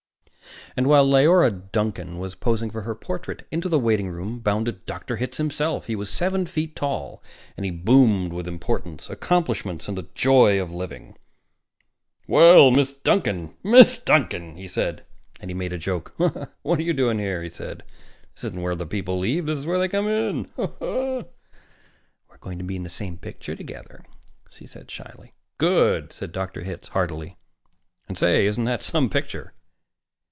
And, while Leora Duncan was posing for her portrait, into the waitingroom bounded Dr. Hitz himself. He was seven feet tall, and he boomed with importance, accomplishments, and the joy of living. "Well, Miss Duncan! Miss Duncan!" he said, and he made a joke. "What are you doing here?" he said. "This isn't where the people leave. This is where they come in!" "We're going to be in the same picture together," she said shyly. "Good!" said Dr. Hitz heartily. "And, say, isn't that some picture?"